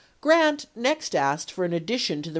Grant next asked for an addition to the F™m."